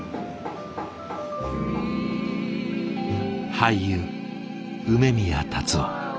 俳優梅宮辰夫。